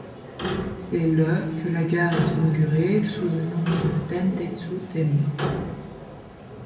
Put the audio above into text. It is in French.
C'est le que la gare est inaugurée sous le nom de Dentetsu Temma.